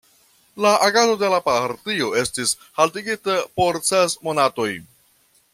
La agado de la partio estis haltigita por ses monatoj.